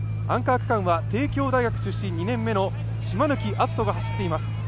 アンカー区間は帝京大学出身、２年目の島貫温太が走っています。